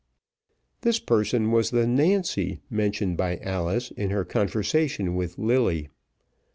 This person was the Nancy mentioned by Alice in her conversation with Lilly.